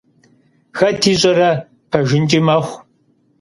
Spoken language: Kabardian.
Хэт ищӀэрэ, пэжынкӀи мэхъу…